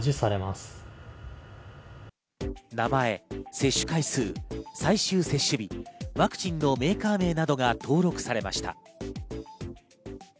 名前、接種回数、最終接種日、ワクチンのメーカー名などが登録されました。